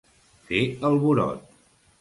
Fer el burot.